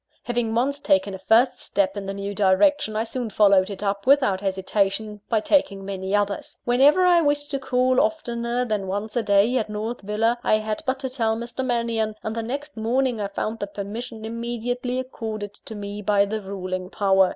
Having once taken a first step in the new direction, I soon followed it up, without hesitation, by taking many others. Whenever I wished to call oftener than once a day at North Villa, I had but to tell Mr. Mannion, and the next morning I found the permission immediately accorded to me by the ruling power.